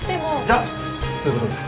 じゃそういうことで。